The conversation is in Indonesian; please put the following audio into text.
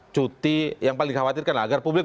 cuti yang paling dikhawatirkan agar publik